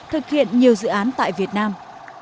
thực hiện nhiều dự án tại việt nam